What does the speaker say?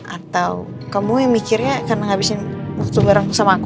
atau kamu yang mikirnya karena ngabisin waktu bareng sama aku